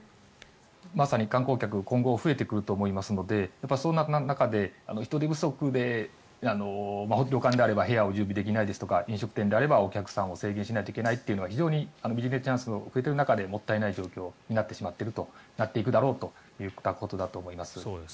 まさに観光客今後増えてくると思いますのでその中で人手不足で旅館であれば部屋を準備できないですとか飲食店であればお客さんを制限しなきゃいけないというのはビジネスチャンスが増えている中でもったいない状況になっていくだろうといったことだと思います。